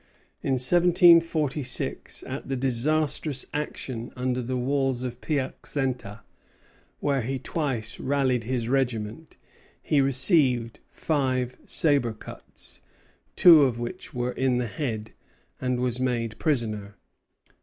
In 1746, at the disastrous action under the walls of Piacenza, where he twice rallied his regiment, he received five sabre cuts, two of which were in the head, and was made prisoner.